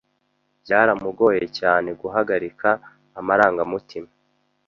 Byaramugoye cyane guhagarika amarangamutima.